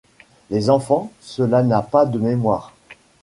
Les enfants, cela n’a pas de mémoire.